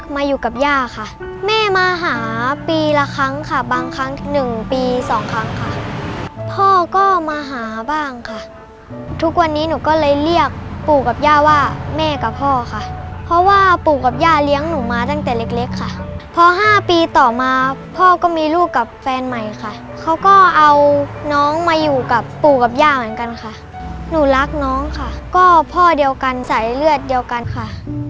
มาอยู่กับย่าค่ะแม่มาหาปีละครั้งค่ะบางครั้งหนึ่งปีสองครั้งค่ะพ่อก็มาหาบ้างค่ะทุกวันนี้หนูก็เลยเรียกปู่กับย่าว่าแม่กับพ่อค่ะเพราะว่าปู่กับย่าเลี้ยงหนูมาตั้งแต่เล็กเล็กค่ะพอห้าปีต่อมาพ่อก็มีลูกกับแฟนใหม่ค่ะเขาก็เอาน้องมาอยู่กับปู่กับย่าเหมือนกันค่ะหนูรักน้องค่ะก็พ่อเดียวกันสายเลือดเดียวกันค่ะ